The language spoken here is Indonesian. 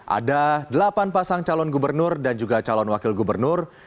ada delapan pasang calon gubernur dan juga calon wakil gubernur